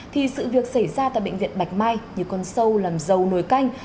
thì sự việc xảy ra tại bệnh viện bạch mai như con sâu làm dầu nồi canh